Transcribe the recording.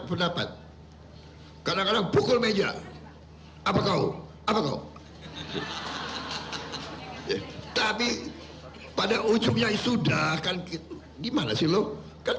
pendapat kadang kadang pukul meja apa kau apa kau tapi pada ujungnya sudah kan gitu gimana sih lo kan